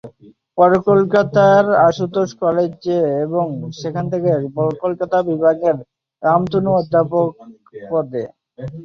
পরে কলকাতার আশুতোষ কলেজে এবং সেখান থেকে কলকাতা বিশ্ববিদ্যালয়ের রামতনু অধ্যাপক পদে।